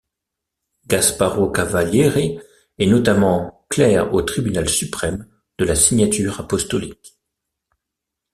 Gasparo Cavalieri est notamment clerc au Tribunal suprême de la Signature apostolique.